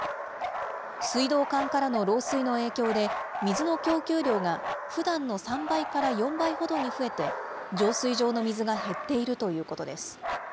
水道管からの漏水の影響で、水の供給量がふだんの３倍から４倍ほどに増えて、浄水場の水が減っているということです。